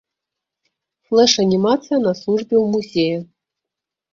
Флэш-анімацыя на службе ў музея.